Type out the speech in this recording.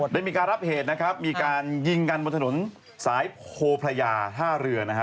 ได้มีการรับเหตุนะครับมีการยิงกันบนถนนสายโพพระยาท่าเรือนะฮะ